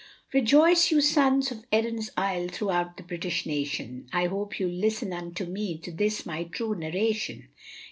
Rejoice you sons of Erin's Isle throughout the British nation, I hope you'll listen unto me to this my true narration.